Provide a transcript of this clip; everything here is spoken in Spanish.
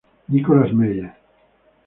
Nicholas Meyer